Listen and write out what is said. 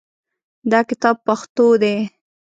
دا کتاب پښتو دی